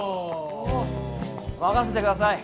任せてください！